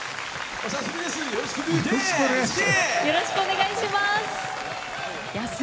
お久しぶりです！